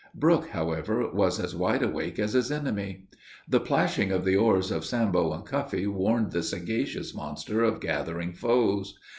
Brook, however, was as wide awake as his enemy. The plashing of the oars of Sambo and Cuffee warned the sagacious monster of gathering foes.